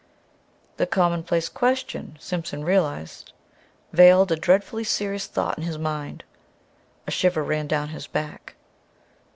The commonplace question, Simpson realized, veiled a dreadfully serious thought in his mind. A shiver ran down his back.